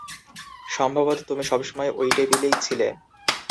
সম্ভবত তুমি সবসময় ওই টেবিলেই ছিলে।